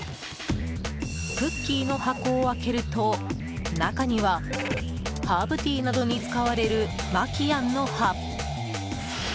クッキーの箱を開けると、中にはハーブティーなどに使われるマキアンの葉。